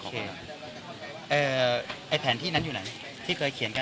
โอเคไอแผ่นที่นั้นอยู่ไหนที่เคยเขียนเล่นกัน